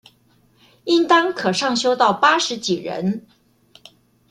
應當可上修到八十幾人